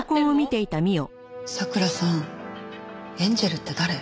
桜さんエンジェルって誰？